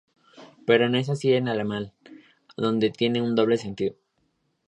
Pero no es así en alemán, donde tiene un doble sentido.